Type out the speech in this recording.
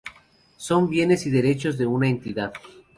Son bienes y derechos de una entidad.